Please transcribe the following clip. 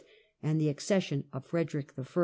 and the accession of Frederick I.